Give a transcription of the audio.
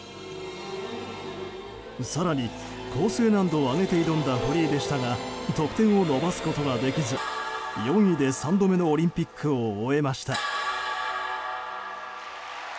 更に、構成難度を上げて挑んだフリーでしたが得点を伸ばすことはできず４位で３度目のオリンピックを終えました。